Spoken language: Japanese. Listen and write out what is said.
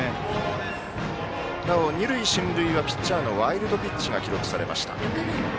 なお、二塁進塁はピッチャーのワイルドピッチが記録されました。